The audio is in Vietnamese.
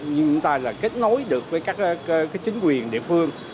chúng ta kết nối được với các chính quyền địa phương